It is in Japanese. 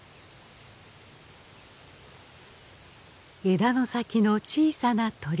枝の先の小さな鳥。